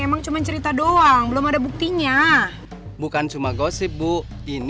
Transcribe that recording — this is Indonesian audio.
emang cuman cerita doang belum ada buktinya bukan cuma gosip bu ini